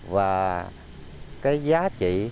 và cái giá trị